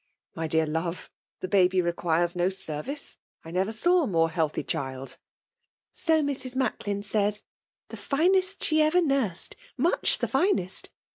'* My dear love, the baby requires no sendee.' I never saw a more healthy diild." " So Mrs. Macklin says — ^the finest she ever nursed — ^much the finest